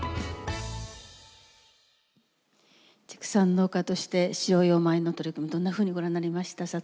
畜産農家として飼料用米の取り組みどんなふうにご覧になりました？